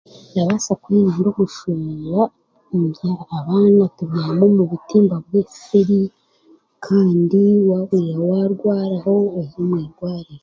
Ndabaasa kwerinda omushwija, abaana kubyama omu butimba bwensiri kandi waarwaraho oze omu irwariro.